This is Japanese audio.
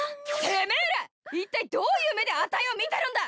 てめえらいったいどういう目であたいを見てるんだ！